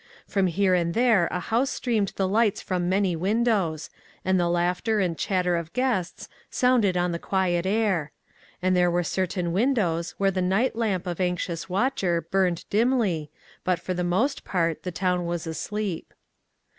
From here and there a house streamed the lights from many windows, and the laughter and chatter of guests sounded on the quiet air; and there were certain windows where the night lamp of some anxious watcher burned dimly, but for the most part, the town was asleep.